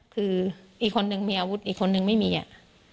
คืออีกคนนึงมีอาวุธอีกคนนึงไม่มีอ่ะ